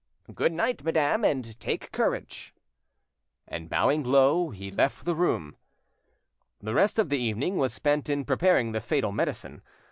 "Good night, madame; and take courage"; and bowing low, he left the room. The rest of the evening was spent in preparing the fatal medicine.